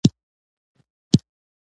داسې فکر کوم.